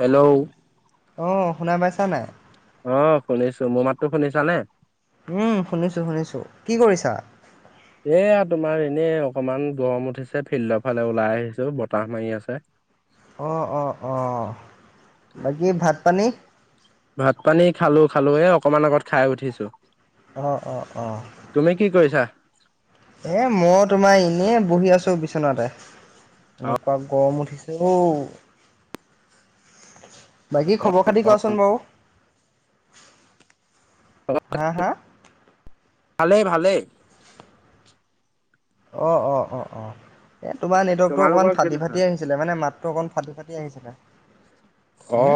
Hello! অ' শুনা পাইছা নাই? অ' শুনিছো, মোৰ মাততো শুনিছানে? উম, শুনিছোঁ শুনিছোঁ কি কৰিছা? এয়া তোমাৰ এনেই অকমান গৰম উঠিছে, ফিল্ডৰ ফালে ওলাই আহিছো বতাহ মাৰি আছে। অ', অ', অ' বাকী ভাত পানী। ভাত পানী খালো, খালো এ অকমান আগত খাই উঠিছো। অ', অ', অ'। তুমি কি কৰিছা? এ মই তোমাৰ এনেই বহি আছো বিচনাতে, এনেকুৱা গৰম উঠিছ ঔ। বাকী খবৰ-খাতি কোৱাচোন বাৰু, হা হা। ভালে ভালে। অ', অ', অ', অ'। এ তোমাৰ নেটৱৰ্কটো অকমান তোমালোকৰ ফাটি কেনেকুৱা? ফাটি আহি ছিলে। মাতটো অকণ ফাটি ফাটি আহিছে, অ হো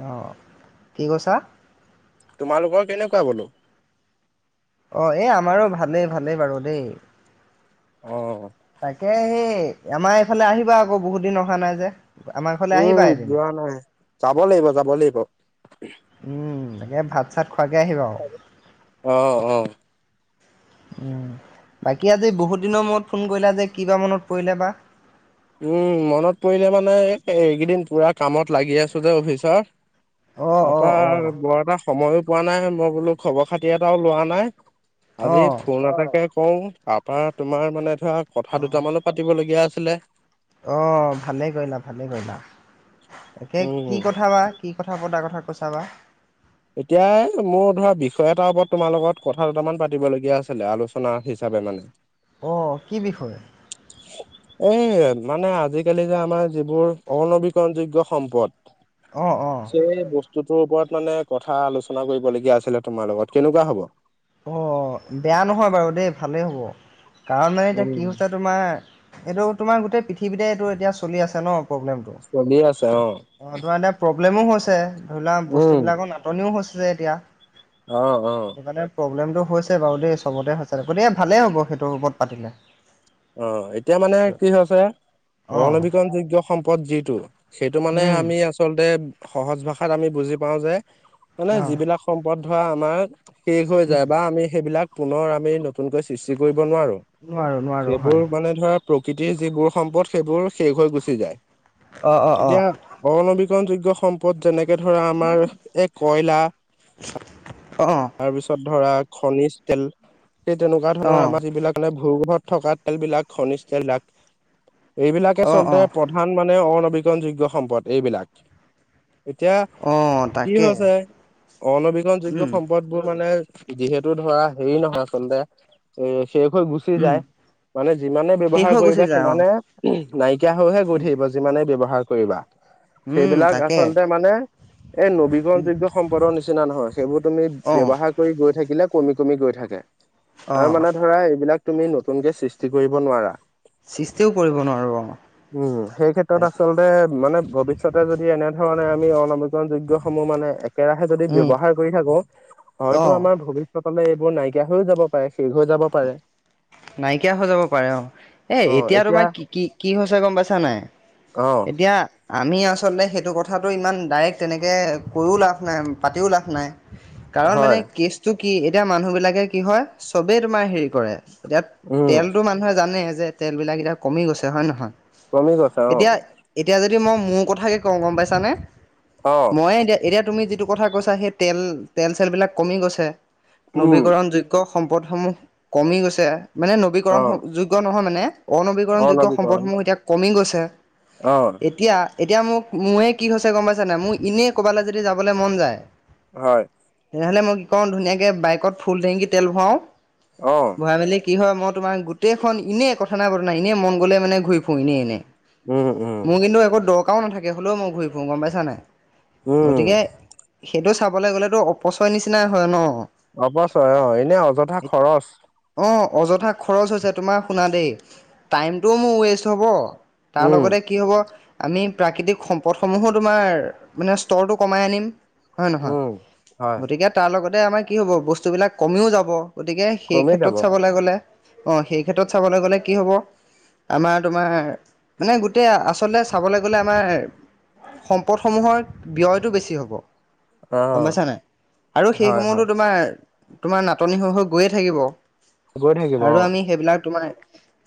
অহ কি কৈছা? তোমালোকৰ কেনেকুৱা বোলো। অ' এই আমাৰো ভালে ভালেই বাৰু দেই। অ', অ', অ'। তাকে সেই, আমাৰ এইফালে আহিবা আকৌ বহুত দিন অহা নাই যে। আমাৰ ঘৰলে আহিবা উম এদিন। যোৱা নাই যাব লাগিব, যাব লাগিব। উম, একে ভাত-চাত খোৱাকে আহিবা আৰু। অ অ। উম বাকী আজি বহুত দিনৰ মূৰত ফোন কৰিলা যে কিবা মনত পৰিলে বা। উম মনত পৰিলে মানে এইকেইদিন পুৰা কামত লাগি আছো যে, অফিচৰ। অ'। অ', অ', বাৰু বৰ এটা সময়ো পোৱা নাই মই বোলো, খবৰ-খাতি এটাও লোৱা নাই। আজি অ'। ফোন এটাকে কৰোঁ, তাৰপৰা তোমাৰ মানে ধৰা কথা অ', দুটামানো পাতিবলগীয়া আছিলে। অ' ভালেই কৰিলা, ভালেই কৰিলা। তাকে কি উম, কথা বা কি কথা পতা কথা কৈছা বা। এতিয়াই মোৰ ধৰা বিষয় এটাৰ ওপৰত তোমাৰ লগত কথা দুটামান পাতিব লগীয়া আছিলে, আলোচনা হিচাপে মানে। [inaudible] অ' কি বিষয়? উচ। এ মানে আজিকালি যে আমাৰ যিবোৰ অনবীকৰণযোগ্য সম্পদ অ', অ'। স' এই বস্তুটোৰ ওপৰত মানে কথা আলোচনা কৰিবলগীয়া আছিলে তোমাৰ লগত, কেনেকুৱা হ'ব। অ' বেয়া নহয় বাৰু দেই ভালেই হ'ব কাৰণ এ এতিয়া কি উম হৈছে তোমাৰ এইটো তোমাৰ গোটেই পৃথিৱীতে এইটো এতিয়া চলি আছে ন'। প্ৰব্লেমটো, চলি আছে অ তোমাৰ এতিয়া প্ৰব্লেমো হৈছে ধৰি লোৱা উম বস্তুবিলাকত নাত নিও হৈছে এতিয়া অ অ সেইটো কাৰণে প্ৰব্লেমটো হৈছে বাৰু দেই, চবতে হৈছে গতিকে ভালেই হ'ব সেইটো ওপৰত পাতিলে। অ' এতিয়া মানে কি হৈছে অ অনবীকৰণযোগ্য সম্পদ যিটো সেইটো মানে উম আমি আচলতে সহজ ভাষাত আমি বুজি পাও যে মানে অ যিবিলাক সম্পদ ধৰা আমাৰ শেষ হৈ উম যায় বা আমি সেইবিলাক পুনৰ আমি নতুনকৈ সৃষ্টি কৰিব নোৱাৰো নোৱাৰো নোৱাৰো সেইবোৰ হয় মানে ধৰা প্ৰকৃতিৰ যিবোৰ সম্পদ সেইবোৰ শেষ হৈ গুচি অ অ যায় অ এতিয়া অনবীকৰণ যোগ্য সমূহ সম্পদ যেনেকে ধৰা আমাৰ এই কয়লা অ তাৰ পিছত ধৰা খনিজ তেল সেই তেনেকুৱা ধৰণৰ আমাৰ যিবিলাক ভূ -গৰ্ভত থকা তেল বিলাক খনিজ তেল বিলাক এইবিলাকে অ অ অ আচলতে প্ৰধান মানে অনবীকৰণ যোগ্য সম্পদ এইবিলাক এতিয়া অ কি তাকে হৈছে অনৱীকৰন যোগ্য উম এইবোৰ মানে যিহেতু ধৰা হেৰি নহয় আচলতে এ শেষ হৈ গৈছে গুচি উম যায় মানে যিমানে শেষ ব্যৱহাৰ হৈ গুচি কৰিবা যায় অ সিমানে নাইকিয়া হৈহে গৈ থাকিব যিমানে ব্যৱহাৰ কৰিবা উম সেইবিলাক তাকে আচলতে মানে এই নবীকৰণ উম যোগ্য সম্পদৰ নিচিনা নহয় সেইবোৰ অ ব্যৱহাৰ কৰি গৈ থাকিলে কমি কমি গৈ থাকে অ আৰু মানে ধৰা এইবিলাক তুমি নতুনকে সৃষ্টি কৰিব নোৱাৰা সৃষ্টিও কৰিব নোৱাৰো অ উম সেই ক্ষেত্ৰত তাকে আচলতে মানে ভৱিষ্যতে যদি এনে ধৰণে আমি অনবীকৰণ যোগ্যসমূহ মানে একেৰাহে যদি উম ব্যৱহাৰ কৰি থাকো অ হয়তো আমাৰ ভৱিষ্যতলে এইবোৰ নাইকিয়া হৈও যাব পাৰে শেষ হৈ যাব পাৰে নাইকিয়া হৈ যাব পাৰে অ এ এতিয়া তোমাৰ কি কি কি হৈছে গম পাইছা নাই অ এতিয়া আমি আচলতে সেইটো কথাটো ইমান ডাইৰেক্ট তেনেকে কৈও লাভ নাই পাতিও লাভ নাই কাৰণ মানে হয় কেচটো কি এতিয়া মানুহ বিলাকে কি হয় চবেই তোমাৰ হেৰি কৰে এতিয়া উম তেলতো মানুহে জানে যে তেল বিলাক এতিয়া কমি গৈছে হয় নহয় কমি গৈছে অ এতিয়া এতিয়া যদি মই মোৰ কথাকে কওঁ গম পাইছানে অ মই এতিয়া এতিয়া তুমি যিটো কথা কৈছা সেই তেল তেল চেলবিলাক কমি গৈছে উম নবীকৰণ যোগ যোগ্য সম্পদসমূহ কমি গৈছে মানে নবীকৰণ অ যোগ্য নহয় মানে অনবীকৰণযোগ্য অনবীকৰণ সম্পদসমূহ এতিয়া কমি গৈছে অ এতিয়া এতিয়া মোক মোয়ে কি হৈছে গম পাইছে নাই মোৰ এনেই ক'ৰবালে যদি যাবলে মন যায় হয় তেতিয়াহ'লে মই কি কওঁ ধুনীয়াকে বাইকত ফুল টেংকি তেল ভৰাও অ ভৰাই মেলি কি হয় মই তোমাৰ গোটেইখন এনেই কথা নাই বতা নাই এনেই মন গ'লে মানে ঘূৰি ফুৰো এনেই এনেই উম উম মোৰ কিন্তু একো দৰকাৰও নাথাকে হ'লেও মই ঘূৰি ফুৰোঁ গম পাইছা নাই উম গতিকে সেইটো চাবলে গ'লেতো অপচয় নিচিনাই হয় ন অপচয় অ এনে অযথা খৰচ অ অযথা খৰচ হৈছে তোমাৰ শুনা দেই টাইমটোও মোৰ ৱেষ্ট হ'ব তাৰ উম লগতে কি হব আমি প্ৰাকৃতিক সম্পদসমূহো তোমাৰ মানে স্তৰটো কমাই আনিম হয় নহয়! উম হয় গতিকে তাৰ লগতে আমাৰ কি হব বস্তুবিলাক কমিও যাব গতিকে সেই কমি ক্ষেত্ৰত যাব অ চাবলৈ গ'লে অ, সেই ক্ষেত্ৰত চাবলৈ গ'লে কি হ'ব আমাৰ তোমাৰ মানে গোটেই আচলতে চাবলৈ গ'লে আমাৰ সম্পদসমূহৰ ব্যয়টো বেছি হ'ব। গম পাইছানে নাই! আৰু সেই হয় হয় সমূহতো তোমাৰ- তোমাৰ নাটনি হৈ হৈ গৈয়ে থাকিব। গৈ থাকিব অ আৰু আমি সেইবিলাক তোমাৰ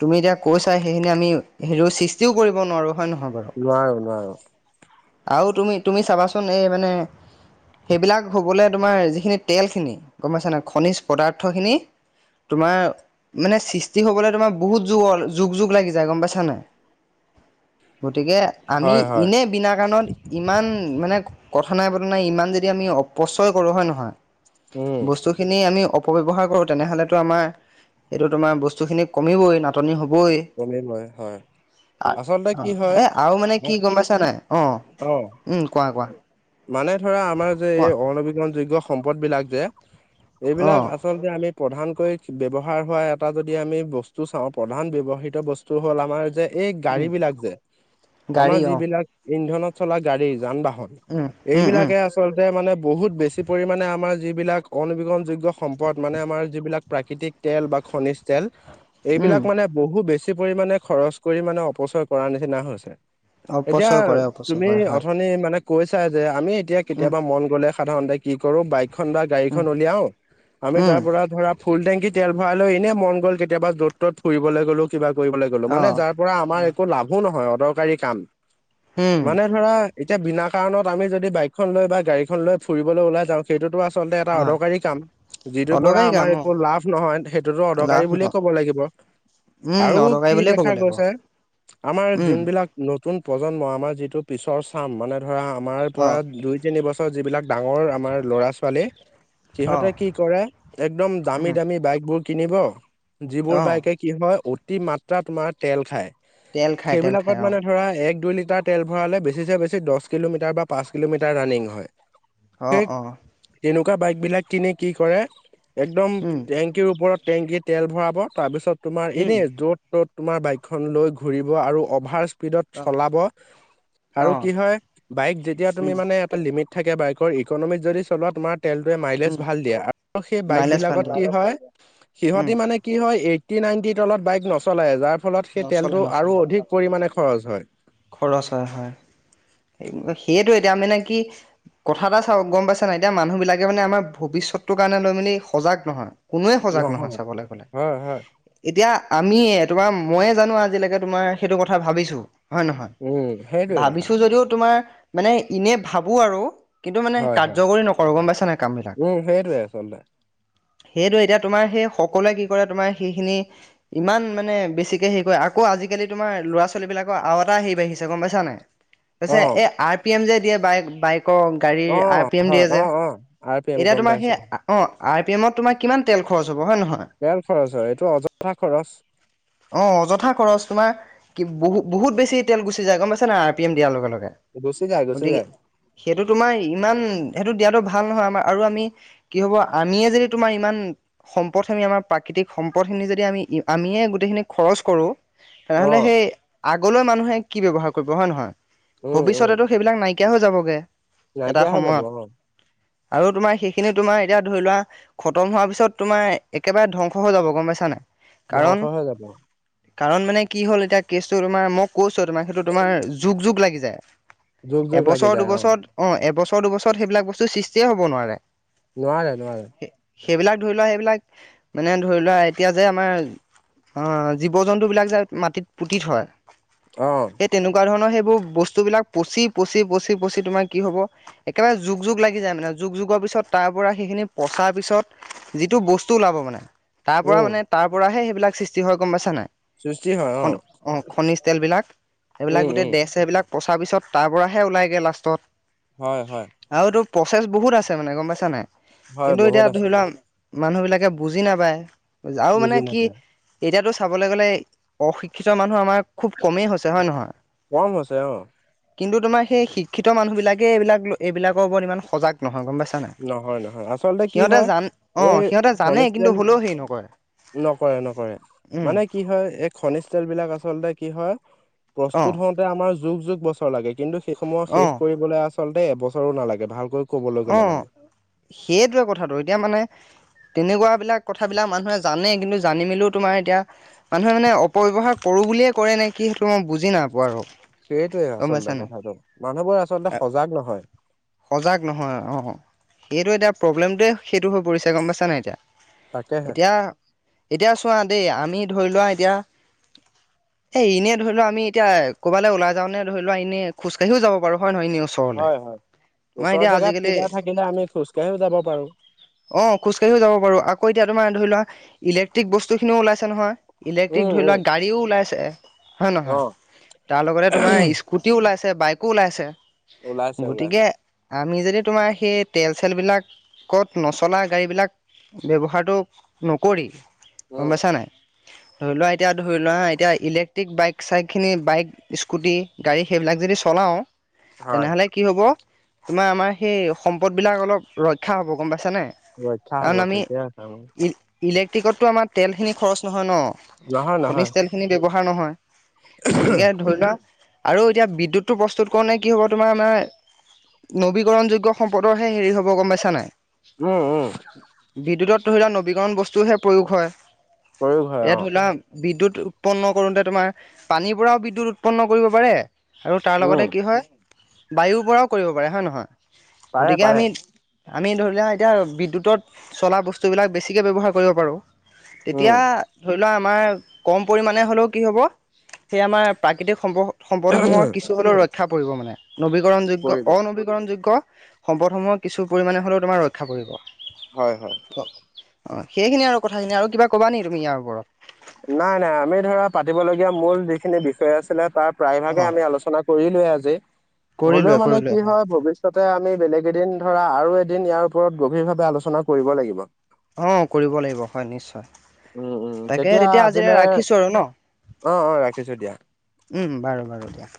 তুমি এতিয়া কৈছা সেইখিনি আমি হেৰী সৃষ্টিও কৰিব নোৱাৰো হয় নহয় বাৰু! নোৱাৰোঁ, নোৱাৰোঁ। আৰু তুমি, তুমি চাবাচোন এই মানে সেইবিলাক হ'বলৈ তোমাৰ যিখিনি তেলখিনি গম পাইছানে! খনিজ পদাৰ্থখিনি তোমাৰ মানে সৃষ্টি হ'বলৈ তোমাৰ বহুত য যুগ-যুগ লাগি যায় গম পাইছানে নাই! গতিকে আমি হয় হয় এনেই বিনা কাৰণত ইমান মানে, কথা নাই বতৰা নাই ইমান যদি আমি অপচয় কৰোঁ হয় নহয় উম বস্তু খিনি আমি অপব্যৱহাৰ কৰো তেনেহ'লে এইটো আমাৰ এইটো তোমাৰ বস্তু খিনি কমিবই নাটনি হ'বই। কমিবই হয়। অ, আচলতে কি হয় এ আৰু মানে কি গম পাইছা নাই? অ, অ উম, কোৱা-কোৱা? মানে ধৰা, আমাৰ যে এই অনবীকৰণ যোগ্য সম্পদ বিলাক যে অ এইবিলাক আ আচলতে প্ৰধানকৈ ব্যবহাৰ হোৱা এটা যদি আমি বস্তু চাও, প্ৰধান বে [unintelligible] বস্তু হ'ল আমাৰ যে এই গাড়ী উম বিলাক যে, আমাৰ গাড়ী অ যিবিলাক ইন্ধনত চলা গাড়ী যান-বাহন, উম উম উম এইবিলাকে আচ আচলতে মানে বহুত বেছি পৰিমাণে আমাৰ যিবিলাক অনবীকৰণযোগ্য সম্পদ, মানে আমাৰ যিবিলাক প্ৰাকৃতিক তেল বা খনিজ তেল, উম এইবিলাক মানে বহু বেছি বেছি পৰিমানে খৰচ কৰি মানে অপচয় কৰাৰ নিচিনা হৈছে। এতিয়া, অপচয় কৰে অপচয় তুমি কৰে হয় অথনি মানে কৈছা যে, আমি এতিয়া উম কেতিয়াবা মন গ'লে সাধাৰণতে কি কৰো বাইক খন বা উম গাড়ীখন উলিয়াও আমি উম তাৰ পৰা ধৰা ফুলটেকি তেল ভৰাই লৈ, এনেই মন গ'ল কেতিয়াবা য'ত-ত'ত ফৰিবলৈ গ'লো। কিবা কৰিবলৈ গ'লো, অ মানে যাৰ পৰা আমাৰ অ একো লাভো নহয়, অদৰকাৰী কাম উম মানে ধৰা এতিয়া বিনা কাৰনত আমি যদি বাইকখন লৈ বা গাড়ীখন লৈ ফুৰিবলৈ ওলাই যাওঁ সেইটোতো আচলতে এটা হয় অদৰকাৰী কাম। যিটোৰ পৰা অদৰকাৰী আমাৰ কাম অ একো লাভ নহয়, সেইটোতো অদৰকাৰী লাভ ন বুলিয়ে ক'ব লাগিব। উম আৰু অদৰকাৰী কি বুলিয়ে ক'ব দেখা লাগিব গৈছে, আমাৰ উম জোনবিলাক নতুন প্ৰজন্ম, আমাৰ যিটো পিছৰ চাম, মানে ধৰা আমাৰ অ পৰা দুই-তিন বছৰ যিবিলাক ডাঙৰ আমাৰ ল'ৰা-ছোৱালী অ সিহঁতে কি কৰে, একদম উম দামী-দামী বাইকবোৰ কিনিব যিবোৰ অ বাইকে কি হয়, অতি মাত্ৰা তোমাৰ তেল খায়, তেল খাই তেল খাই সেইবিলাকত অ মানে ধৰা এক- দুই লিটাৰ তেল ভৰালে বেছিছে বেছি দহ কিলোমিটাৰ বা পাঁচ কিলোমিটাৰ ৰানিং হয়। অ, অ। এনেকুৱা বাইকবিলাক কিনি কি কৰে একদম উম টেংক টেংকিৰ ওপৰত টেংকি তেল ভৰাব, তাৰপাছত তোমাৰ উম এনে য'ত-ত'ত তোমাৰ বাইকখন লৈ ঘূৰিব আৰু অভাৰ স্পীডত অ চলাব অ আৰু কি হয়, বাইক যেতিয়া তুমি উম মানে এটা লিমিট থাকে বাইকৰ, ইকনমিক যদি চলোৱা তোমাৰ তেলটোৱে মাইলেজ উম ভাল দিয়ে আৰু সেই বাইক মাইলেজ ভাল বিলাকত দিয়া কি হয় উম সিহতি মানে- কি হয় এইটি নাইনটি তলত বাইক নচলায় যাৰ ফলত সেই নচলা তেলটো আৰু নচলা অধিক পৰিমাণে খৰচ হয়। খৰচ হয়ঁ হয়ঁ সেইয়টো এতিয়া মান নে কি? কথা এটা চাওক গম পাইছে নাই এতিয়া মানুহ বিলাকে মানে আমাৰ ভৱিষ্যতটোৰ কাৰণে লৈ মেলি সজাগ নহয়। কোনোৱে সজাগ নহয় চাবলৈ গ'লে। হয় হয় এতিয়া আমিয়ে তোমাৰ মইে জানো আজিলৈকে তোমাৰ সেইটো কথা ভাবিছোঁ। হয়ঁ নহয় উম সেইটোৱে কথা ভাবিছো যদিও তোমাৰ মানে এনে ভাবো আৰু। কিন্তু মানে হয় হয় কাৰ্যকৰী নকৰো গম পাইছা নাই কাম বিলাক। উম সেইটোৱে আচলতে সেইটো এতিয়া তোমাৰ সেই সকলোৱে কি কৰে তোমাৰ সেইখিনি- ইমান মানে বেছিকে হেৰি কৰে আকৌ আজিকালি তোমাৰ ল'ৰা ছোৱালী বিলাক- আৰু এটা হেৰি বাঢ়িছে গম পাইছা নাই পছে অ এই আৰ পি এম যে দিয়ে বাইক বাইকৰ- গাড়ীৰ অ আ পি এম হয় দিয়ে অ যে অ আৰ পি এম এতিয়া গম তোমাৰ পাইছো সেই গা- অঁ আৰ পি এমত তোমাৰ কিমান তেল খৰচ হ'ব হয় নহয়। তেল খৰচ হয় এইটো অযথা খৰচ। অঁ অযথা খৰচ তোমাৰ কি বহু- বহুত বেছি তেল গুছি যায় গম পছা নাই আৰ পি এম দিয়াৰ লগে লগে। গুচি যায় গুচি গতিকে যায়। সেইটো তোমাৰ ইমান সেইটো দিয়াতটো ভাল নহয় আমাৰ আৰু আমি- কি হ'ব আনিয়ে যদি তোমাৰ ইমান- সম্পদখিনি আমাৰ প্ৰাকৃতিক সম্পদখিনি যদি আমি আমিয়ে গোটেইখিনি খৰচ কৰোঁ। অ তেনেহলে সেই আগলৈ মানুহে কি ব্যৱ্হাৰ কৰিব হয় নহয় উম উম ভৱিষ্যতেতো সেইবিলাক নাইকিয়া- থিকেয় হৈ যাবগে এটা নাইকিয়া হৈ যাব সময়ত অ আৰু তোমাৰ সেইখিনি তোমাৰ এতিয়া ধৰি লোৱা- খতম হোৱাৰ পিছত তোমাৰ একেবাৰে ধ্বংস হৈ যাব গম পাইছা নাই। কাৰণ ধ্বংস হৈ যাব। কাৰণ মানে কি হ'ল এতিয়া কেচটো তোমাৰ মোক- ক'ছো তোমাক সেইটো তোমাৰ যোগ যোগ লাগি যায় জোক জোক লাগি এবছৰ যায় অ দুবছৰত- অঁ এবছৰ দুবছৰত সেইবিলাক বস্তু সৃষ্টিয়ে হ'ব নোৱাৰে অঁ। নোৱাৰে নোৱাৰে। সেইবিলাক ধৰি লোৱা সেইবিলাক মানে ধৰি লোৱা এতিয়া যে আমাৰ- অঁ জীৱ জন্তু বিলাক যে মাটিত পুতি থয়। অঁ। সেই তেনেকুৱা ধৰণৰ সেইবোৰ বস্তুবিলাক পচি পচি পচি পচি তোমাৰ কি হ'ব। একেবাৰে যুগ যুগ লাগি যায় মানে যুগ যুগৰ পিছত তাৰ পৰা সেইখিনি পচাৰ পিছত- যিটো বস্তু ওলাব মানে তাৰ পৰা উম মানে তাৰ পৰাহে সেইবিলাক সৃষ্টি হয় গম পাইছা নাই। সৃষ্টি হয় অঁ। অঁ খনিজ তেলবিলাক সেইবিলাক গোটেই ড্ৰেছ সেইবিলাক পচাৰ পিছত তাৰ পৰাৰাহে ওলাইগে লাষ্টত। হয়ঁ হয়ঁ। আৰু এইটো প্ৰচেছ বহুত আছে মানে গম পাইছা নাই হয় কিন্তু এতিয়া বহুত আছে ধৰি লোৱা- মানুহ বিলাকে বুজি নাপায় আৰু মানে বুজি কি নাপায় এতিয়াতো চাবলৈ গ'লে অশিক্ষিত কিছুৰ মানুহ আমাৰ খুব কমেই হৈছে হয়ঁ নহয়। কম হৈছে অ কিন্তু তোমাৰ সেই শিক্ষিত মানুহ বিলাকে এইবিলাক এইবিলকৰ ওপৰত ইমান সজাগ নহয় গম নহয় পাইছা। নহয় আচলতে কি সিহঁতে হয় জান অ এই সিহঁতে খনিজ জানেই তেল কিন্তু হ'লেও হেৰি নকৰে। নকৰে নকৰে উম মানে- কি হয় এই খনিজ তেল বিলাক আচলতে কি হয় অ প্ৰস্তুত হওঁ আমাৰ যুগ যুগ বছৰ লাগে কিন্তু সেইসমূহ অ শেষ কৰিবলৈ আচলতে এবছৰো নালাগে ভালকৈ। ক'বলৈ অ গ'লে মানে সেইটোৱে কথাটো এতিয়া মানে। তেনেকুৱাবিলাক কথাবিলাক মানুহে জানে কিন্তু জানি মেলিও তোমাৰ এতিয়া। মানুহে মানে অপবৱহাৰ কৰো বুলিয়ে কৰে নে। কি সেইটো মই বুজি না। সেইটোৱে আচলতে কথাটো মানুহবোৰ আচলতে সজাগ নহয়। সজাগ নহয় অ এইটো এতিয়া প্ৰব্লেমটোোৱে সেইটো হৈ পৰিছে গম পাইছা নাই এতিয়া। তাকেহে এতিয়া এতিয়া চোৱা দেই আমি ধৰি লোৱা এতিয়া [unintelligible] এনেই ধৰি লোৱা আমি এতিয়া ক'বাল ওলা নে ধৰি লোৱা এনে খোজকাঢিও যাব পাৰো হয় নহয় এনে ওচ। হয় হয় ওচৰৰ জোগাত কিবা থাকিলে আমি খোজকাঢ়িও যাব পাৰো। অ খোজকাঢ়িও যাব পাৰো আকৌ এতিয়া তোমাৰ ধৰি লোৱা ইলেক্ট্ৰিক বস্তু খিনিও ওলাইছে নহয়। ইলেক্ট্ৰিক উম, ধৰি উম, লোৱা গাড়ীও ওলাইছে হয় নহয় অ', তাৰ লগতে তোমাৰ ইছ। কুটিও ওলাইছে বাইকো ওলাইছে ওলাইছে ওলাইছে গতিকে। আমি যদি তোমাৰ সেই তেল চেল বিলাকত নচলা গাড়ী বিলাক। ব্যৱহাৰটো নকৰি উম, গম পাইছা নাই। ধৰি লোৱা এতিয়া ধৰি লোৱা হা এতিয়া ইলেক্ট্ৰিক বাইক চাইক খিনি বাইক। স্কুটি গাড়ী সেইবিলাক যদি চলাওঁ হয়। তেনেহ'লে কি হ'ব। তোমাৰ আমাৰ সেই সম্পদবিলাক অলপ ৰক্ষা হ'ব গম পাইছেনে। ৰক্ষা হ'ব কাৰণ আমি ঠিকে আছে উম, ই ইলেক্ট্ৰিকতো আমাৰ তেলখিনি খৰচ নহয় ন। নহয় নহয়। খনিজ তেল খিনি ব্যৱহাৰ নহয় গতিকে ধৰি লোৱা। আৰু এতিয়া বিদ্যুৎটো প্ৰস্তুত কৰণে কি হ'ব তোমাৰ। [inaudible] নবীকৰণ যোগ্য সম্পদৰহে হেৰি হ'ব গম পাইছা নাই। উম উম। বিদ্যুতত ধৰি লোৱা নৱীকৰণ বস্তুহে প্ৰয়োগ হয় প্ৰয়োগ হয় এয়া অ', ধৰি লোৱা। বিদ্যুৎ উৎপন্ন কৰোঁতে তোমাৰ পানীৰ পৰাও বিদ্যুৎ উৎপন্ন কৰিব পাৰে। আৰু তাৰ উম, লগতে কি হয় বায়ুৰ পৰাও কৰিব পাৰে হয় নহয় পাৰে গতিকে পাৰে আমি। আমি ধৰি লোৱা এতিয়া বিদ্যুতত চলা বস্তুবিলাক বেছিকে ব্যৱহাৰ কৰিব পাৰোঁ। উম। তেতিয়া ধৰি লোৱা আমাৰ। কম পৰিমণে হ'লেও কি হ'ব সেই আমাৰ প্ৰাকৃতিক সম্প সম্পদসমূহৰ কিছ। ছু হলেও ৰক্ষা পৰিব মানে নৱীকৰণযোগ্য। কৰিব নৱীকৰণ যোগ্য সম্পদসমূহ কিছু পৰিমাণে হলেও তোমাৰ ৰক্ষা পৰিব। হয় হয়। অ সেইখিনি আৰু কথাখিনি আৰু কিবা কবা নে তুমি ইয়াৰ ওপৰত। নাই নাই আমি ধৰা পাতিবলগীয়া মূল যিখিনি বিষয় আছিলে তাৰ প্ৰায়ভাগে অ আমি আলোচনা। কৰিলোৱে আজি কৰি লোৱা হলেও কৰি মানে লোৱা কি হয় ভৱিষ্য। ততে আমি বেলেগ এদিন ধৰা আৰু এদিন ইয়াৰ ওপৰত গভীৰভাৱে আলোচনা কৰিব লাগিব। অঁ কৰিব লাগিব হয় নিশ্চয়। তাকে তেতিয়া আজিলে ৰাখিছো আৰু ন। অ', অ', ৰাখিছো দিয়া। উম উম বাৰু বাৰু দিয়া।